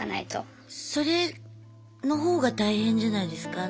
それのほうが大変じゃないですか？